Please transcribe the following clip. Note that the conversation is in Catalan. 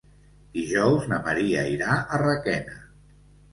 Dijous na Maria irà a Requena.